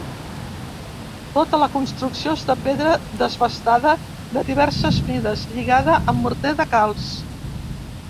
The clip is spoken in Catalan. Tota la construcció és de pedra desbastada de diverses mides, lligada amb morter de calç.